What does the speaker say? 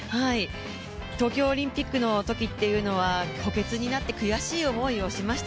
東京オリンピックのときっていうのは、補欠になって悔しい思いをしました。